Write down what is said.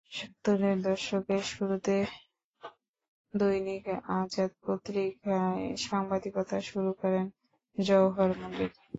সত্তরের দশকের শুরুতে দৈনিক আজাদ পত্রিকায় সাংবাদিকতা শুরু করেন জওহর মল্লিক।